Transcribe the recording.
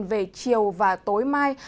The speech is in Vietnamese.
về chiều và tối mai